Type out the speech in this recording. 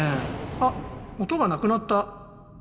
あ音がなくなった。